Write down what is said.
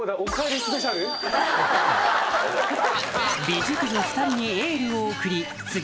美熟女２人にエールを送り次